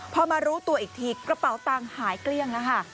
พอมารู้ตัวอีกทีกระเป๋าตังค์หายเกลี้ยงแล้วค่ะ